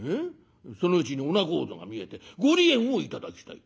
そのうちにお仲人が見えて『ご離縁を頂きたい』